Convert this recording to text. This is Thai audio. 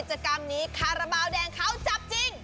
กิจกรรมนี้คาราบาลแดงเขาจับจริง